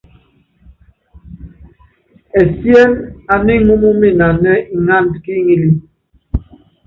Ɛsien ana ŋúm minanɛ ŋánd ki ŋilí.